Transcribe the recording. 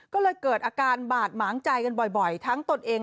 ก็เลยเกิดอาการบาดหมางใจกันบ่อยทั้งตนเอง